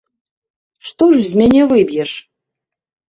Што ж з мяне выб'еш?